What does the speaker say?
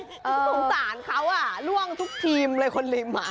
ก็ต้องต่านเขาล่ว่างทุกทีมคนลิมอ่ะ